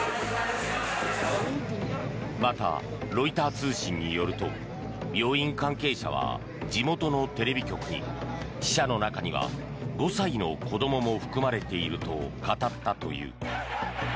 また、ロイター通信によると病院関係者は地元のテレビ局に死者の中には５歳の子どもも含まれていると語ったという。